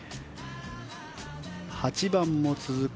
８番も続く